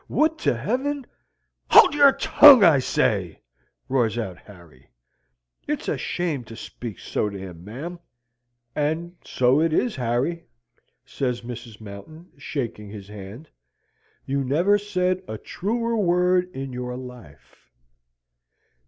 Would to Heaven " "HOLD YOUR TONGUE, I SAY" roars out Harry. "It's a shame to speak so to him, ma'am." "And so it is, Harry," says Mrs. Mountain, shaking his hand. "You never said a truer word in your life."